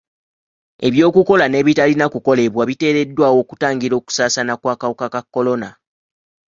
Eby'okukola n'ebitalina kukolebwa biteereddwawo okutangira okusaasaana kw'akawuka ka kolona.